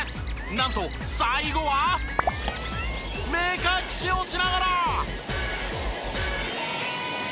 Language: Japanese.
なんと最後は目隠しをしながら。